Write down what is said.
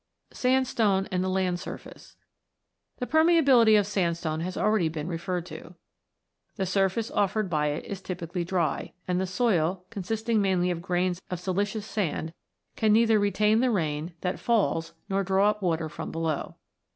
SANDSTONE AND THE LAND SURFACE The permeability of sandstone has already been referred to. The surface offered by it is typically dry, and the soil, consisting mainly of grains of siliceous sand, can neither retain the rain that falls nor draw up water from below.